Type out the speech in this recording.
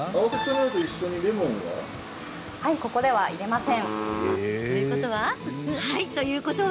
はい、ここでは入れません。